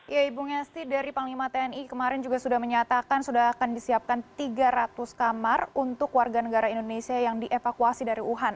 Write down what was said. ya ibu ngesti dari panglima tni kemarin juga sudah menyatakan sudah akan disiapkan tiga ratus kamar untuk warga negara indonesia yang dievakuasi dari wuhan